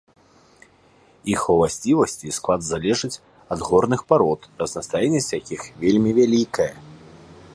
Іх уласцівасці і склад залежаць ад горных парод, разнастайнасць якіх вельмі вялікая.